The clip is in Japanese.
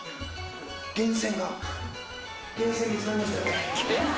源泉見つかりましたよね。